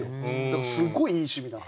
だからすごいいい趣味。